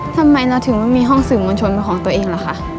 ทำไมเราถึงไม่มีห้องสื่อมวลชนเป็นของตัวเองล่ะคะ